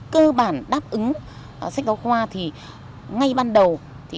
cơ bản đáp ứng sách giáo khoa thì ngay ban đầu